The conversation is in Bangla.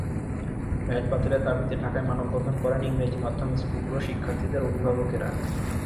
ভ্যাট বাতিলের দাবিতে ঢাকায় মানববন্ধন করেন ইংরেজি মাধ্যম স্কুলগুলোর শিক্ষার্থীদের অভিভাবকেরা।